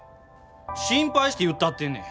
心配して言ったってんねん！